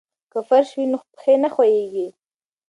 که فرش وي نو پښې نه ښویېږي.